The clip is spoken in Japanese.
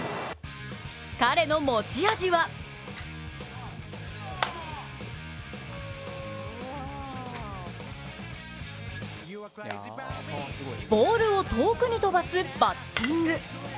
彼の持ち味はボールを遠くに飛ばすバッティング。